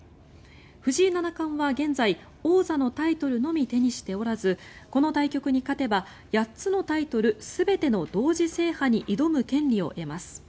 藤井七冠は現在王座のタイトルのみ手にしておらずこの対局に勝てば８つのタイトル全ての同時制覇に挑む権利を得ます。